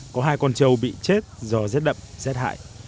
có hai con trâu bị chết do rét đậm rét hại